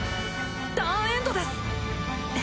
ターンエンドです！